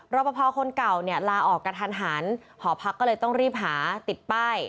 รอปภคนเก่าเนี่ยลาออกกระทันหันหอพักก็เลยต้องรีบหาติดป้าย